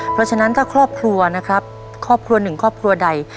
เพราะฉะนั้นถ้าครอบครัวนะครับครอบครัวหนึ่งครอบครัวใด